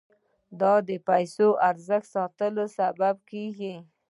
دا د پیسو د ارزښت ساتلو سبب کیږي.